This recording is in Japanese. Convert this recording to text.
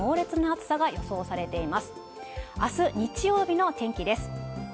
あす日曜日の天気です。